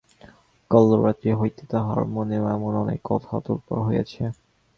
কল্য রাত্রি হইতে তাঁহার মনেও এমন অনেক কথা তোলপাড় হইয়াছে।